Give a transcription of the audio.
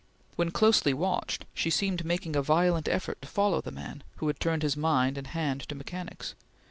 When closely watched, she seemed making a violent effort to follow the man, who had turned his mind and hand to mechanics.